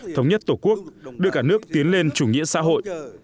thống nhất tổ quốc đưa cả nước tiến lên chủ nghĩa xã hội